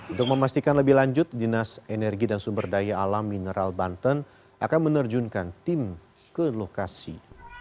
untuk memastikan lebih lanjut dinas energi dan sumber daya alam mineral banten akan menerjunkan tim ke lokasi